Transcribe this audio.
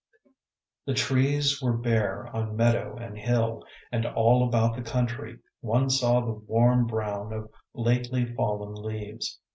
The trees were bare on meadow and hill, and all about the country one saw the warm brown of lately fallen leaves.